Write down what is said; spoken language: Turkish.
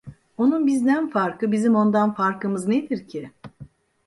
Onun bizden farkı, bizim ondan farkımız nedir ki?